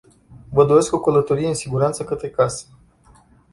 Vă doresc o călătorie în siguranță către casă.